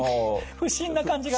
不審な感じが。